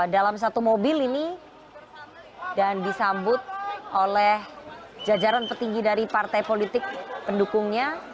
dalam satu mobil ini dan disambut oleh jajaran petinggi dari partai politik pendukungnya